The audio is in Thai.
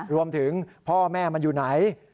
รวมถึงพ่อแม่มันอยู่ไหน